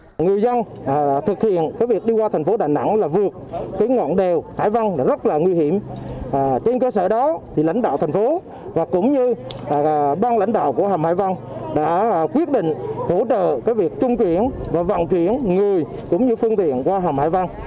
số người dân đi qua hầm hải vân là vượt ngọn đèo hải vân trên cơ sở đó lãnh đạo thành phố và băng lãnh đạo của hầm hải vân đã quyết định hỗ trợ trung chuyển và vòng chuyển người phương thuyện qua hầm hải vân